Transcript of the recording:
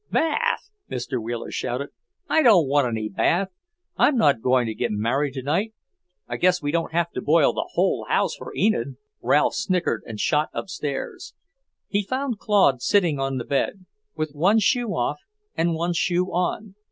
"Bath?" Mr. Wheeler shouted, "I don't want any bath! I'm not going to be married tonight. I guess we don't have to boil the whole house for Enid." Ralph snickered and shot upstairs. He found Claude sitting on the bed, with one shoe off and one shoe on.